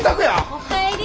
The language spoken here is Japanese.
お帰り。